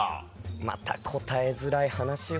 また答えづらい話を。